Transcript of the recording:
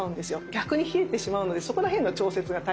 逆に冷えてしまうのでそこら辺の調節が大切かと思います。